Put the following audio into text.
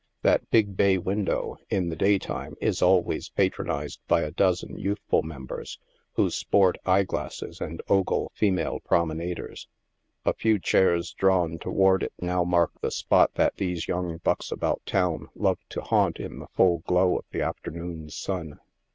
That big bay window, in the day time, i3 always patronised by a dozen youthful members, who sport eye glasses and ogle female promenaders. A few chairs drawn towards it now mark the spot that these young bucks about town love to haunt in the full glow of an afternoon's sun.